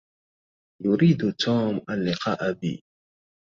يريد توم اللقاء بي.